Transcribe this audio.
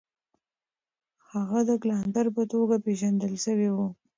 هغه د کلانتر په توګه پېژندل سوی و.